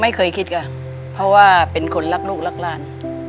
ไม่เคยคิดค่ะเพราะว่าเป็นคนรักลูกรักหลาน